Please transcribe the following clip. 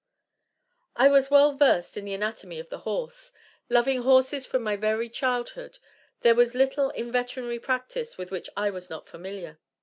_ "I was well versed in the anatomy of the horse. Loving horses from my very childhood, there was little in veterinary practice with which I was not familiar.